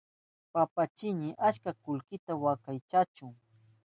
Papachini achka kullkita wakaychahun.